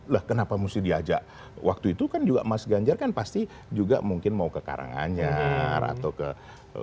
lah kenapa mesti diajak waktu itu kan juga mas ganjar kan pasti juga mungkin mau ke karanganyar atau ke